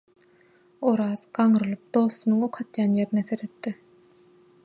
Oraz gaňrylyp dostunyň ok atýan ýerine seretdi.